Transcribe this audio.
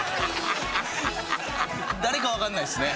誰かわからないですね。